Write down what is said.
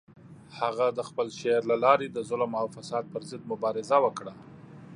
هغه د خپل شعر له لارې د ظلم او فساد پر ضد مبارزه وکړه.